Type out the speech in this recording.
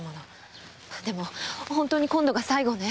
でも本当に今度が最後ね？